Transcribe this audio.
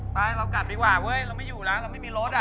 เรากลับดีกว่าเว้ยเราไม่อยู่แล้วเราไม่มีรถอ่ะ